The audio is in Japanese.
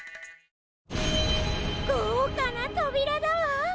ごうかなとびらだわ！